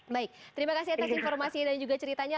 baik terima kasih atas informasinya dan juga ceritanya